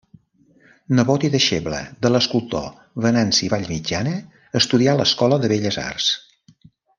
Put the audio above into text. Nebot i deixeble de l'escultor Venanci Vallmitjana, estudià a l'Escola de Belles Arts.